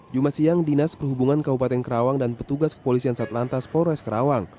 jumat siang dinas perhubungan kabupaten karawang dan petugas kepolisian satlantas polres karawang